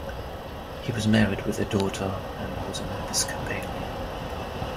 He was married with a daughter and was an Episcopalian.